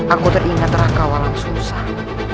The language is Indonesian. aku teringat terang kawalan susah